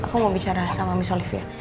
aku mau bicara sama my olivia